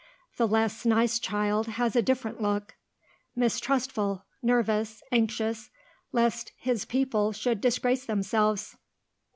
The less nice child has a different look, mistrustful, nervous, anxious, lest his people should disgrace themselves....